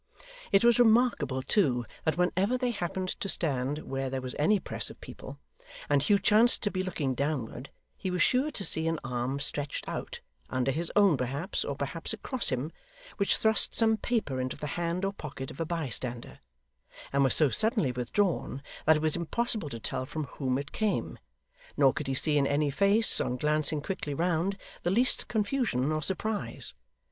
It was remarkable, too, that whenever they happened to stand where there was any press of people, and Hugh chanced to be looking downward, he was sure to see an arm stretched out under his own perhaps, or perhaps across him which thrust some paper into the hand or pocket of a bystander, and was so suddenly withdrawn that it was impossible to tell from whom it came; nor could he see in any face, on glancing quickly round, the least confusion or surprise.